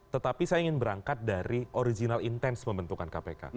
tetapi saya ingin berangkat dari original intent membentukkan kpk